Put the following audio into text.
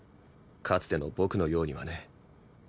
かつての僕のようにはね。